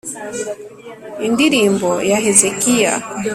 Indirimbo ya Hezekiya